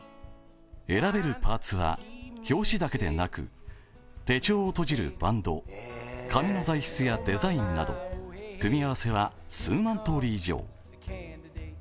選べるパーツは表紙だけでなく手帳をとじるバンド、紙の材質やデザインなど組み合わせは数万通り以上。